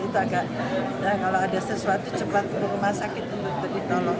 itu agak kalau ada sesuatu cepat ke rumah sakit untuk ditolong